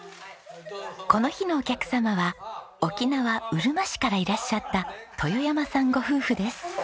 この日のお客様は沖縄うるま市からいらっしゃった豊山さんご夫婦です。